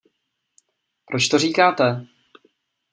Proč to říkáte?